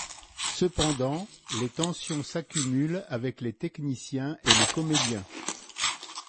Cependant les tensions s'accumulent avec les techniciens et les comédiens.